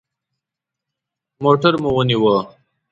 موټر مو ونیوه.